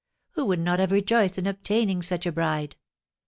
Who would not have rejoiced in obtaining such a bride?